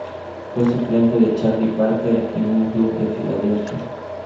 Fue suplente de Charlie Parker en un club de Filadelfia.